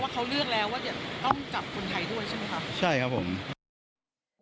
เขาเลือกแล้วว่าจะต้องจับคนไทยด้วยใช่ไหมคะใช่ครับผม